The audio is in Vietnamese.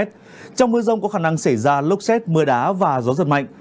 trong mưa rông có khả năng xảy ra lốc xét mưa đá và gió giật mạnh